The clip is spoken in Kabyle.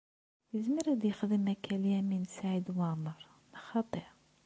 Izmer ad yexdem akka Lyamin n Saɛid Waɛmeṛ, neɣ xaṭi?